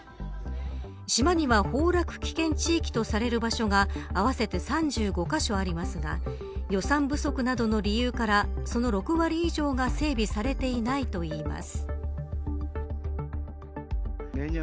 島には崩落危険地域とされる場所が合わせて３５カ所ありますが予算不足などの理由からその６割以上が整備されていないといいます。